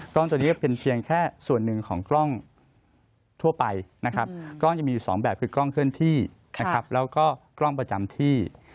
ตัวนี้ก็เป็นเพียงแค่ส่วนหนึ่งของกล้องทั่วไปนะครับก็จะมีสองแบบคือกล้องเคลื่อนที่นะครับแล้วก็กล้องประจำที่